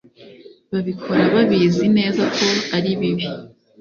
babikora babizi neza ko ari bibi